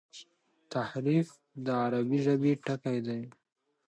تحریف د عربي ژبي ټکی دﺉ.